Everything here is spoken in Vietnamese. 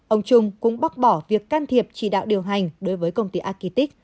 ông trung cũng bác bỏ việc can thiệp chỉ đạo điều hành đối với công ty agitic